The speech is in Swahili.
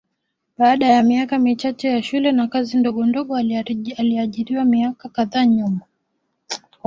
Baada ya miaka michache ya shule na kazi ndogondogo aliajiriwa Miaka kadhaa nyuma